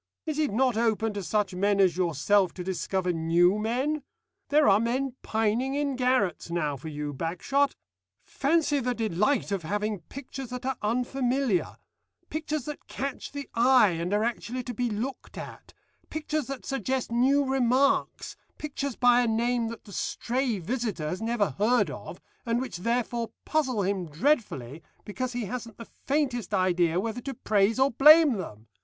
Is it not open to such men as yourself to discover new men? There are men pining in garrets now for you, Bagshot. Fancy the delight of having pictures that are unfamiliar, pictures that catch the eye and are actually to be looked at, pictures that suggest new remarks, pictures by a name that the stray visitor has never heard of and which therefore puzzle him dreadfully because he hasn't the faintest idea whether to praise or blame them!